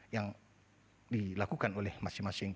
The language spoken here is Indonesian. yang dilakukan oleh masing masing